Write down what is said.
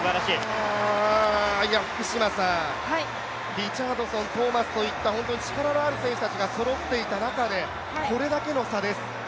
リチャードソン、トーマスといった本当に力のある選手たちがそろっている中で、これだけの差です。